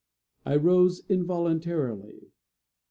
I rose involuntarily.